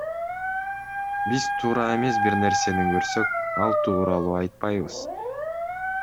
Биз туура эмес бир нерсени көрсөк, ал тууралуу айтпайбыз.